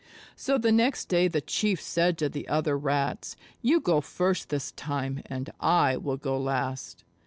So the next day the Chief said to the other Rats, "You go first this time and I will go last."